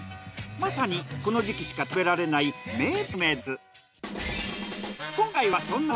まさにこの時期しか食べられない名物グルメです。